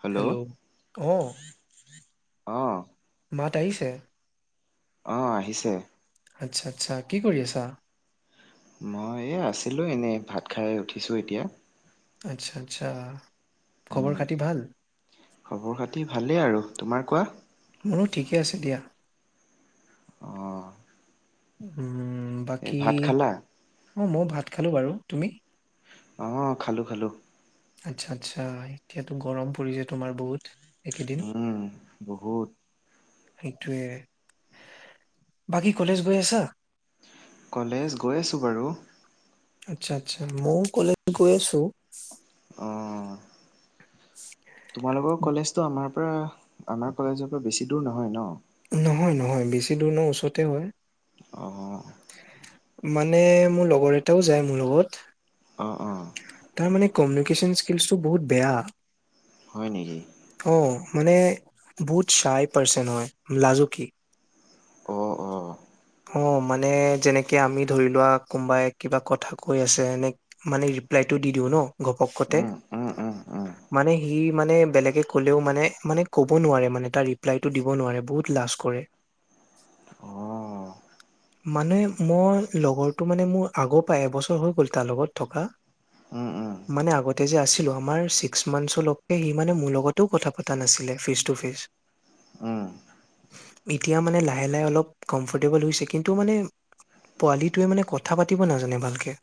Hello অঁ অ' মাত আহিছে? অ', আহিছে। আচ্ছা, আচ্ছা, কি কৰি আছা? মই, এইয়া আছিলোঁ এনেই ভাত খাই উঠিছোঁ এতিয়া। আচ্ছা, আচ্ছা। খবৰ উম, খাতি ভাল খবৰ খাতি ভালেই আৰু তোমাৰ কোৱা। মোৰো ঠিকে আছে দিয়া। অ' উম, বাকী, ভাত খালা অ', মই ভাত খালো বাৰু তুমি? অ', খালোঁ, খালোঁ। আচ্ছা, আচ্ছা, এতিয়াতো গৰম পৰিছে, তোমাৰ বহুত একেদিন। উম, বহুত সেইটোৱে, বাকী কলেজ গৈ আছা? কলেজ, গৈ আছোঁ বাৰু। আচ্ছা, আচ্ছা, মইও কলেজ গৈ আছো। অ', তোমালোকৰ কলেজটো আমাৰ পৰা, আমাৰ কলেজৰ পৰা বেছি দূৰ নহয় ন? নহয়, নহয়, বেছি দূৰ ন ওচৰতে হয়। অ', অ'। মানে মোৰ লগৰ এটাও যায় মোৰ লগত। অ', অ'। তাৰ মানে কমিউনিকেশ্যন স্কিলচটো বহুত বেয়া। হয় নেকি? অ' মানে বহুত চাই পাৰ্চন হয়, লাজুকী। অঁ অঁ [inaudible] অ' মানে যেনেকে আমি ধৰি লোৱা কোনোবাই কিবা কথা কৈ আছে এনে মানে ৰিপ্লাইটো দি দিওঁ ন' গপকতে। উম উম উম উম মানে সি মানে বেলেগে ক'লেও মানে মানে ক'ব নোৱাৰে মানে তাৰ ৰিপ্লাইটো দিব নোৱাৰে, বহুত লাজ কৰে। অ'। [inaudible] মানে মই লগৰটো মানে মোৰ আগৰ পৰাই এবছৰ হৈ গ'ল তাৰ লগত। থকা। উম উম মানে আগতে যে আছিলোঁ, আমাৰ ছিক্স মান্থলৈকে সি মানে মোৰ লগতো কথা পতা নাছিলে ফেচ টু ফেচ। উম। এতিয়া মানে লাহে লাহে অলপ কমফৰ্টেবল হৈছে কিন্তু মানে পোৱালিটোৱে মানে কথা পাতিব নাজানে ভালকে।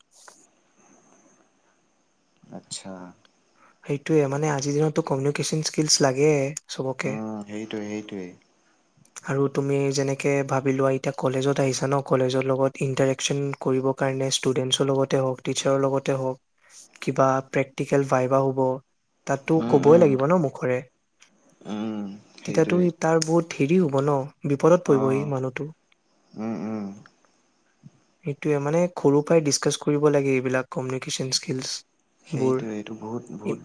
আচ্ছা। সেইটোয়ে, মানে আজিৰ দিনততো কমিউনিকেশ্যন স্কিলচ লাগে চবকে। উম সেইটোৱে সেইটোৱেই। [inaudible] আৰু তুমি যেনেকে ভাবি লোৱা এতিয়া কলেজত আহিছা ন' কলেজৰ লগত ইণ্টাৰেকশচন কৰিব কাৰনে ষ্টোডেন্টচৰ লগতে হওক, টিচাৰ্ছৰ লগতে হওক কিবা প্ৰেক্টিকেল বাই বা হ'ব, তাততো উম ক'বই উম লাগিব ন' মুখৰে। উম তেতিয়াতো সেইটোৱে তাৰ বহুত হেৰি হব ন' বিপদত অ পৰিবহি মানুহটো। উম, উম। সেইটোৱে, মানে সৰুৰ পৰাই ডিচকাচ কৰিব লাগে এইবিলাক কমিউনিকেশ্যন স্কিলচ। সেইটো, এইটো বহুত বহুত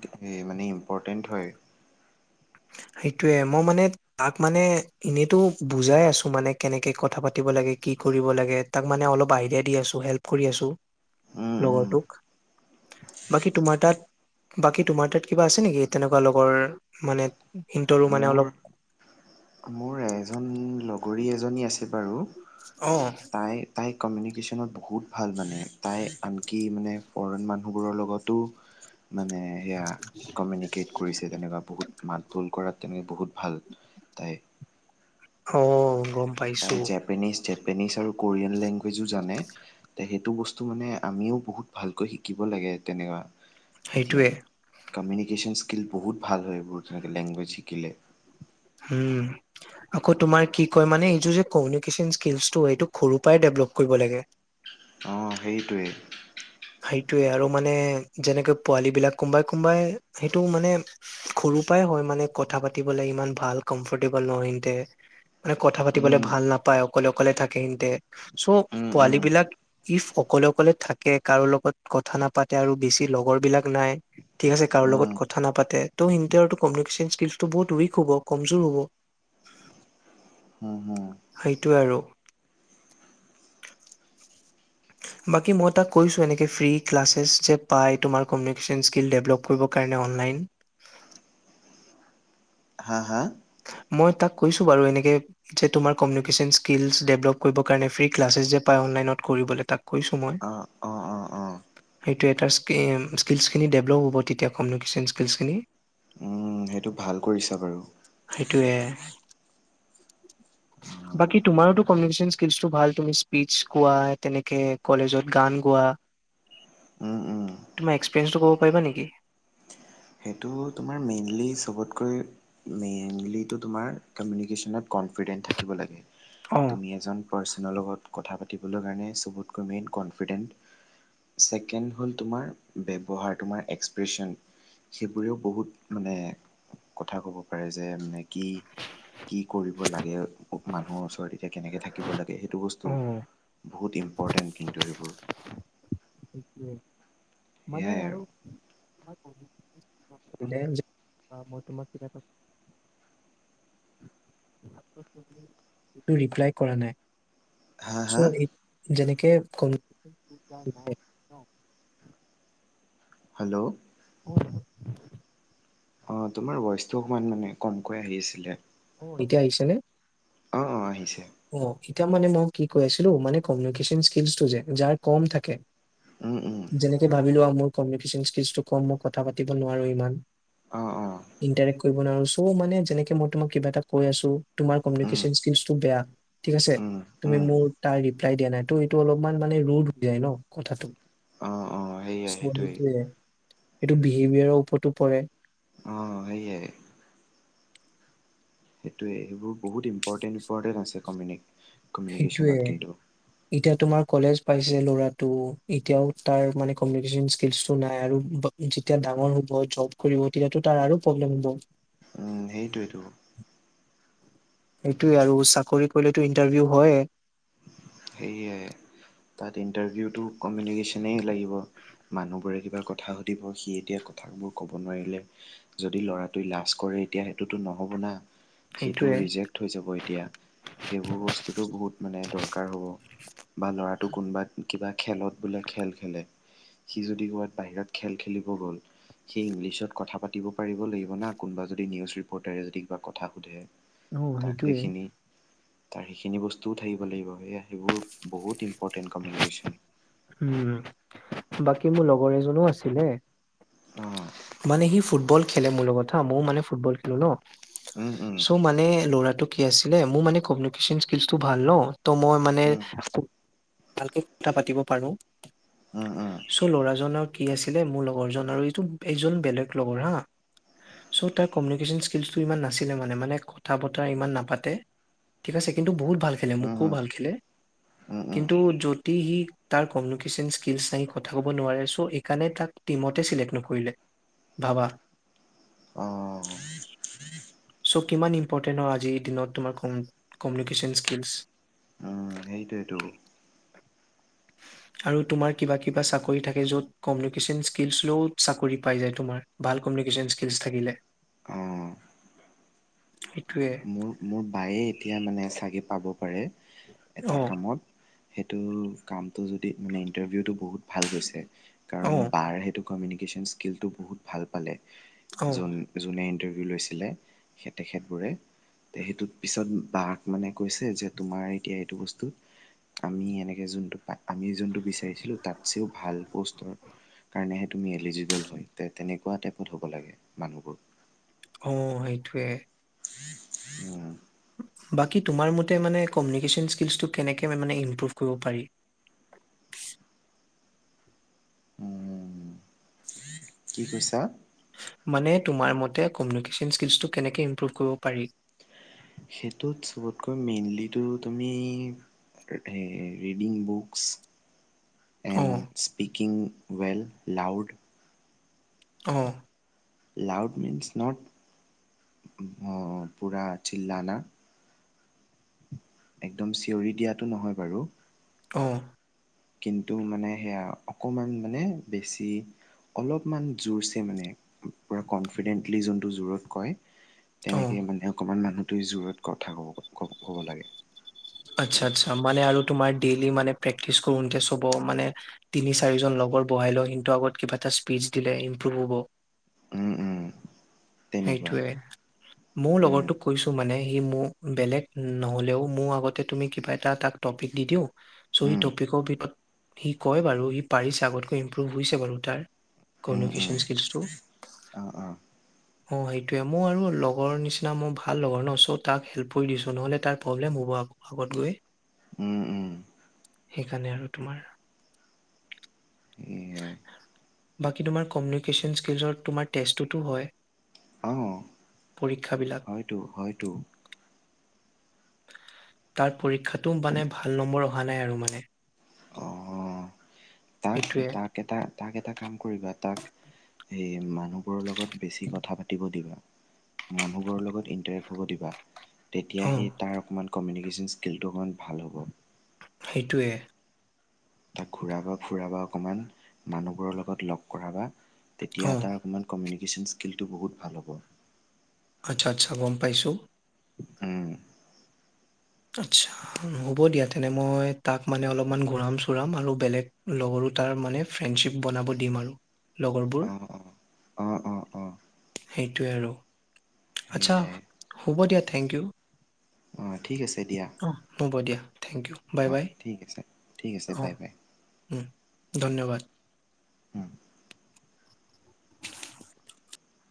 মানে ইম্পৰ্টেণ্ট হয়। সেইটোয়ে, মই মানে তাক মানে এনেইতো বুজাই আছোঁ মানে কেনেকে কথা পাতিব লাগে, কি কৰিব লাগে তাক মানে অলপ আইডিয়া দি আছোঁ, হেল্প কৰি আছোঁ উম উম লগৰটোক। বাকী তোমাৰ তাত, বাকী তোমাৰ তাত কিবা আছে নেকি তেনেকুৱা লগৰ মানে সিনটৰো মানে মোৰ অলপ মোৰ এজন লগৰী এজনী আছে বাৰু। অ'। তাই, তাই কমিউনিকেশ্যনত বহুত ভাল মানে, তাই আনকি মানে ফৰেন মানুহবোৰৰ লগতো [inaudible] মানে সেয়া কমিউনিকেট কৰিছে, তেনেকুৱা বহুত মাত বোল কৰাত তেনেকে বহুত ভাল। তাই। অ' গম পাইছো তাই জেপানীজ, জেপানীজ আৰু কোৰিয়ান লেংগুৱেজো জানে। তে সেইটো বস্তু মানে আমিও বহুত ভালকৈ শিকিব লাগে তেনেকুৱা। এতিয়া, সেইটোয়ে কমিউনিকেশ্যন স্কিল বহুত ভাল হয় এইবোৰ তেনেকৈ লেংগুৱেজ শিকিলে। হুম। আকৌ তোমাৰ কি কয় মানে এইটো যে কমিউনেকেশ্যন স্কিলচটো এইটো সৰুৰ পৰাই ডেভলপ কৰিব লাগে। অ', সেইটোৱেই। সেইটোয়ে, আৰু মানে যেনেকে পোৱালী বিলাক কোনোবাই কোনোবাই সেইটো মানে সৰু পৰাই হয় মানে কথা পাতিবলৈ ইমান ভাল কমফৰ্টেবল নহয় হিহঁতে। মানে কথা পাতিবলে উম ভাল নাপায় অকলে অকলে থাকে ইনতে, চ' উম পোৱালী উম বিলাক ইফ অকলে অকলে থাকে কাৰো লগত কথা নাপাতে আৰু বেছি লগৰবিলাক নাই। ঠিক আছে কাৰো লগত উম কথা নাপাতে ত' [unintelligible] টো কমেনিকেশ্যন স্কিলটো বহুত উইক হব কমজোৰ হ'ব। হুম হুম। সেইটোৱে আৰু। হয় বাকী মই তাক কৈছোঁ এনেকৈ ফ্ৰী ক্লাচছেছ যে পাই তোমাৰ কমিউনিকেশ্যন স্কিল ডেভলপ কৰিবৰ কাৰণে অনলাইন। হা? হা? মই তাক কৈছো বাৰু এনেকে যে তোমাৰ কমিউনিকেশ্যন স্কিলছ ডেভেলপ কৰিবৰ কাৰণে ফ্ৰী ক্লাছেছ যে পায় অনলাইনত কৰিবলৈ তাক কৈছো মই। অঁ অঁ অঁ অঁ সেইটো এটাৰ স্কি স্কিল্ছখিনি ডেভলপ হ'ব তেতিয়া কমিউনিকেশ্যন স্কিলছখিনি। উম, সেইটো ভাল কৰিছা বাৰু। সেইটোৱে। বাকী তোমাৰোটো কমিউনিকেশ্যন স্কিলচটো ভাল তুমি স্পিচ কোৱা তেনেকে কলেজত গান গোৱা। উম, উম। তুমা এক্সপেৰিয়েন্চটো কব পাৰিবা নেকি? সেইটো তোমাৰ মেইনলি চবতকৈ মেইনলিটো তোমাৰ কমিউনিকেশ্যনত কনফিডেণ্ট থাকিব লাগে, অ', তুমি এজন পাৰ্চনৰ লগত কথা পাতিবলৈ কাৰণে চবতকৈ মেইন কনফিডেণ্ট ছেকেণ্ড হ'ল তোমাৰ ব্যৱহাৰ তোমাৰ এক্সপ্ৰেশ্যন। সেইবোৰেও বহুত মানে কথা ক'ব পাৰে যে মানে যে কি কি কৰিব লাগে মানুহৰ ওচৰত এতিয়া কেনেকে থাকিব লাগে সেইটো বস্তু বহুত ইম্পৰ্টেণ্ট কিন্তু এইবোৰ। সোৱে, মানে আৰু [unintelligible] [unintelligible] মই তোমাক কিবা এটা [unintelligible] টো ৰিপ্লাই কৰা নাই। হা হা [unintelligible] যেনেকে কোন [unintelligible] হেল্ল'। [unintelligible] অ', তোমাৰ ভইচটো অকমান মানে কমকৈ আহি আছিলে। অ', এতিয়া আহিছেনে? অ', অ', আহিছে। অ', এতিয়া মানে মই কি কৈ আছিলো, মানে কমিউনিকেশন স্কিলটো যে যাৰ কম থাকে উম, উম। যেনেকে ভাবি লোৱা মোৰ কমিউনিকেশ্যন স্কিলটো ক'ম, মই কথা পাতিব নোৱাৰো ইমান। অ'। অ ইণ্টাৰেক্ট কৰিব নোৱাৰো, চ' মানে যেনেকে মই তোমাক কিবা এটা কৈ আছোঁ। তোমাৰ উম কমিউনিকেশ্যন স্কিলচটো বেয়া, ঠিক আছে, উম তুমি উম মোৰ তাৰ ৰিপ্লাই দিয়া নাই, ত' এইটো অলপমান মানে ৰোদ হৈ যায় ন, কথাটো। অ অ সেয়াই [unintelligible] সেইটোৱেই এইটো বিহেভিয়াৰৰ ওপৰতো পৰে। অ', সেইয়া। সেইটোৱে সেইবোৰ বহুত ইম্পৰ্টেণ্ট, ইম্পৰ্টেণ্ট আছে কমিউনিক সেইটোৱে। এতিয়া তোমাৰ কলেজ পাইছে ল'ৰাটো এতিয়াও তাৰ মানে কমিউনিকেশ্যন স্কিলচটো নাই আৰু যেতিয়া ডাঙৰ হ'ব জব কৰিব তেতিয়াতটো তাৰ আৰু প্ৰব্লেম হ'ব। সেইটোৱেটো। সেইটোৱে আৰু চাকৰি কৰিলেতো ইণ্টাৰভিউ হয়ে। সেয়াই তাত ইণ্টাৰভিউটো কমিউনিকেশ্যনেই লাগিব। মানুহবোৰে কিবা কথা সুধিব সি এতিয়া কথাবোৰ ক'ব নোৱাৰিলে যদি ল'ৰাটোৱে লাজ কৰে এতিয়া সেইটোতো নহ'ব না। সেইটো সেইটোয়ে ৰিজেক্ট হৈ যাব এতিয়া সেইবোৰ বস্তুটো বহুত মানে দৰকাৰ। দৰকাৰ হ'ব বা ল'ৰাটো কোনোবা কিবা খেলত বোলে খেলে। সি যদি ক'ৰবাত বাহিৰত খেল খেলিব গ'ল। সেই ইংলিছত কথা পাতিব পাৰিব লাগিব না কোনোবা যদি নিউজ ৰিপৰ্টাৰে যদি কিবা কথা সুধে। অ তাক সেইটোয়ে সেইখিনি তাৰ সেইখিনি বস্তুও থাকিব লাগিব। সেয়া সেইবোৰ বহুত ইম্পৰ্টেণ্ট কমিউনিকেশ্যন। উম, বাকী মোৰ লগৰ এজনো আছিলে। অঁ মানে সি ফুটবল খেলে মোৰ লগত ময়ও মানে ফুটবল খেলো ন। উম উম চ' মানে ল'ৰাটো কি আছিল মোৰ মানে কমিউনিকেশ্যন স্কিলটো ভাল ন ত মই মানে উম ভালকে কথা পাতিব পাৰোঁ। উম উম চ' ল'ৰাজনৰ কি আছিলে মোৰ লগৰ জন আৰু এইটো এইজন বেলেগ লগৰ হা। চ' তাৰ কমিউনিকেশ্যন স্কিলচটো ইমান নাছিলে মানে মানে কথা বতৰা ইমান নাপাতে। ঠিক আছে, কিন্তু বহুত ভাল খেলে উম মোতকৈ ভাল খেলে উম উম উম কিন্তু যতি সি তাৰ কমিউনিকেশ্যন স্কিলছ নাই কথা ক'ব নোৱাৰে চ' এইকাৰণে তাক টিমতে চিলেক্ট নকৰিলে। ভাবা। অঁ চ' কিমান ইম্পৰ্টেণ্ট আজিৰ দিনত তোমাৰ কমিউনিকেশ্যন স্কিলচ। সেইটোৱেটো। আৰু তোমাৰ কিবা, কিবা চাকৰি থাকে য'ত কমিউনিকেশ্যন স্কিলছ লৈও চাকৰি পাই যায় তোমাৰ। ভাল কমিউনিকেশ্যন স্কিলছ থাকিলে। অ'। সেইটোৱে। মোৰ বায়ে এতিয়া মানে চাগে পাব পাৰে অ এটা কামত সেইটো কামটো যদি মানে ইণ্টাৰভিউটো বহুত ভাল গৈছে অ কাৰণ বাৰ সেইটো কমিউনিকেশ্যন স্কিলটো বহুত ভাল পালে অ যোন যোনে ইণ্টাৰভিউ লৈছিলে সেই তেখেতবোৰে। সেইটোত পিছত বাক মানে কৈছে যে তোমাৰ এতিয়া এইটো বস্তু আমি এনেকে যোনটো আমি যোনটো বিচাৰিছিলোঁ তাতছেও ভাল পষ্টৰ কাৰণেহে তুমি এলিজিবল হয় তেনেকুৱা টাইপত হ'ব লাগে মানুহবোৰ। অ', সেইটোৱে। উম। বাকী তোমাৰ মতে মানে কমিউনিকেশ্যন স্কিলছটো কেনেকে মানে ইম্প্ৰুভ কৰিব পাৰি। কি কৈছা? মানে তোমাৰ মতে কমিউনিকেশ্যন স্কিলচটো কেনেকে ইম্প্ৰুভ কৰিব পাৰি। সেইটোত চবতকৈ মেইনলিটো তুমি আৰু ৰীডিং বুকস এণ্ড অ', স্পীিকিং ৱেল লাউড। অ'। লাউড মন্ছ নট পূৰা চিললানা। একদম চিঞৰি দিয়াতটো নহয় বাৰু। অ'। কিন্তু মানে সেয়া আৰু অকণমান মানে বেছি অলপমান জোৰছে মানে পূৰা কনফিডেণ্টলি যোনটো জোৰত কয়। অ', তেনেকৈ মানে অকণমান মানুহটোৱে জোৰত কথা ক'ব কব ক'ব লাগে। আচ্ছা আচছা মানে আৰু তোমাৰ ডেইলি মানে প্ৰে্টিচ কৰোতে চব মানে তিনি চাৰিজন লগৰ বহাই লও সিহঁতৰ আগত কিবা এটা স্পিচ দিলে ইম্প্ৰুভ হ'ব। উম উম তেনেকুৱা সেইটোৱে, মোৰ লগতোক কৈছোঁ মানে সি মোৰ বেলেগ নহ'লেও মোৰ আগতে তুমি কিবা এটা তাক টপিক দি দিওঁ। চ' সি টপিকৰ ভি সি কয় বাৰু সি পাৰিছে আগতকৈ ইম্প্ৰুভ হৈছে বাৰু তাৰ কমিউনিকেশ্যন স্কিলচটো। অ', অ'। অ', সেইটোৱে মোৰ আৰু লগৰ নিচিনা মোৰ ভাল লগৰ ন' চ' তাক হেল্প কৰি দিছোঁ নহ'লে তাৰ প্ৰব্লেম হ'ব আকৌ। লগত গৈ। উম, উম। সেইকাৰণে আৰু তোমাৰ। এ বাকী তোমাৰ কমিউনিকেশ্যন স্কিলচৰ তোমাৰ টেষ্টটোতো হয়? পৰীক্ষাবিলাক। টো হয়তো। তাৰ পৰীক্ষাতো মানে ভাল নম্বৰ অহা নাই আৰু মানে। অ', অ'। সেইটোৱে। এটা তাক এটা কাম কৰিবা, তাক সেই মানুহবোৰৰ লগত বেছি কথা পাতিব দিবা, মানুহবোৰৰ লগত ইণ্টাৰেক্ট হ'ব দিবা। তেতিয়া অ সি তাৰ অকণমান কমিউনিকেশ্যন স্কিলটো অকণমান ভাল হ'ব। সেইটোৱে। তাক ঘূৰাব ফুৰাব অকণমান মানুহবোৰৰ লগত লগ কৰাবা, অ তেতিয়া তাৰ অকণমান কমিউিকেশ্যন স্কিলটো বহুত ভাল হ'ব। আচ্ছা আচ্ছা গ'ম পাইছোঁ। উম। আচ্ছা। হ'ব দিয়া তেনে মই তাক মানে অলপমান ঘূৰাম-চোৰাম আৰু বেলেগ লগৰো তাৰ মানে ফ্ৰেণ্ডশ্বিপ বনাব দিম আৰু। লগৰবোৰ অ অ অ অ অ সেইটোৱে আৰু। আচ্ছা, সেয়াই হ'ব দিয়া থেংক ইউ। অ', ঠিক আছে দিয়া। অ', হ'ব দিয়া থেংক ইউ বাই অ বাই। ঠিক আছে ঠিক আছে, অ' বাই বাই। উম, ধন্যবাদ।